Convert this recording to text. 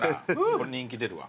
これ人気出るわ。